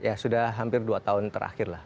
ya sudah hampir dua tahun terakhir lah